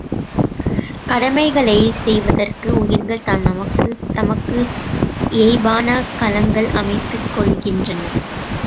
கடமைகளைச் செய்வதற்கு உயிர்கள் தமக்கு இயைபான களங்கள் அமைத்துக் கொள்கின்றன.